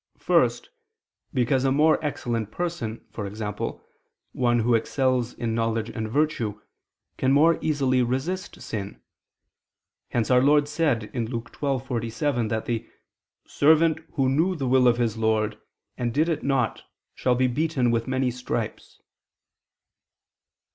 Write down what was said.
First, because a more excellent person, e.g. one who excels in knowledge and virtue, can more easily resist sin; hence Our Lord said (Luke 12:47) that the "servant who knew the will of his lord ... and did it not ... shall be beaten with many stripes."